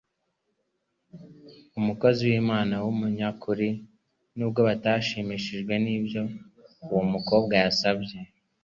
umukozi w'Imana w'umunyakuri. Nubwo batashimishijwe n'ibyo uwo mukobwa yasabye,